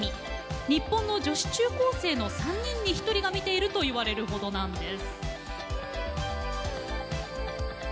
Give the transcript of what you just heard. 日本の高校生の３人に１人が見ていると言われるほどなんです。